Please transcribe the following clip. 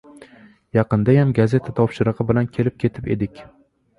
Yaqindayam gazeta topshirig‘i bilan kelib-ketib edik.